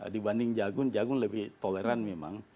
dibanding jagung jagung lebih toleran memang